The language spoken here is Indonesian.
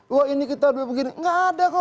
wah ini kita begini gak ada kok